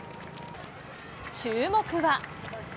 注目は。